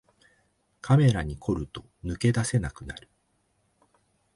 カメラに凝ると抜け出せなくなる